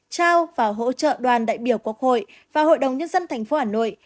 trao và hỗ trợ đoàn đại biểu quốc hội và hội đồng nhân dân thành phố hà nội